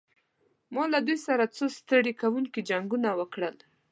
ما له دوی سره څو ستړي کوونکي جنګونه وکړل.